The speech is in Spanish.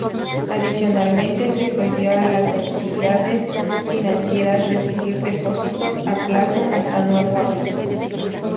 Adicionalmente se prohibió a las entidades financieras recibir depósitos a plazo hasta nuevo aviso.